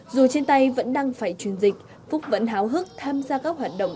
dù trên tay vẫn đang phải truyền dịch phúc vẫn háo hức tham gia các hoạt động